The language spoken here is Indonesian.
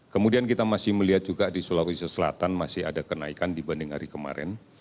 kemudian kita masih melihat juga di sulawesi selatan masih ada kenaikan dibanding hari kemarin